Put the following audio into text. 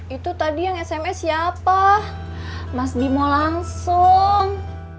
itu tadi yang sms siapa mas dimo langsung